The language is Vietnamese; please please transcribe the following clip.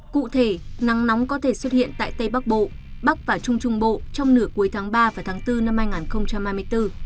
cụ thể nắng nóng có thể xuất hiện tại tây bắc bộ bắc và trung trung bộ trong nửa cuối tháng ba và tháng bốn năm hai nghìn hai mươi bốn